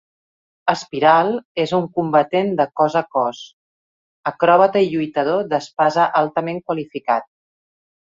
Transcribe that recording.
Spiral és un combatent de cos a cos, acròbata i lluitador d'espasa altament qualificat.